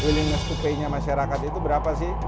willingness to pay nya masyarakat itu berapa sih